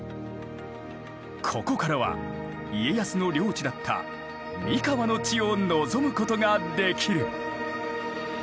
ここからは家康の領地だった三河の地を望むことができる。